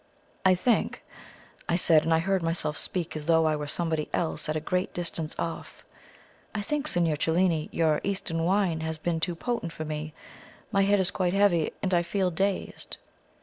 "I think," I said, and I heard myself speak as though I were somebody else at a great distance off "I think, Signor Cellini, your Eastern wine has been too potent for me. My head is quite heavy, and I feel dazed."